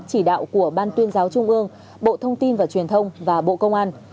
chỉ đạo của ban tuyên giáo trung ương bộ thông tin và truyền thông và bộ công an